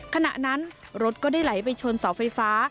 ขณะนั้นรถก็ได้ไหลไปชนเสาไฟฟ้า